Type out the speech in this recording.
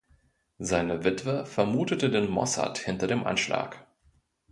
Seine Witwe vermutete den Mossad hinter dem Anschlag.